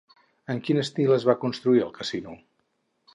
En quin estil es va construir el casino?